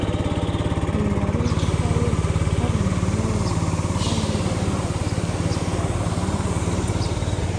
Eyo yali mpisa ye, kale namwewuunya era ne ndaba nga kusomoozebwa kwamaanyi nnyo.